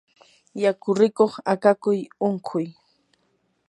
yakurikuq akakuy unquy